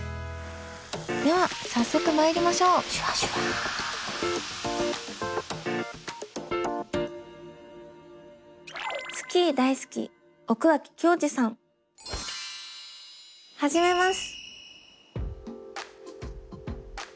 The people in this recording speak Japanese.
では早速まいりましょう始めます。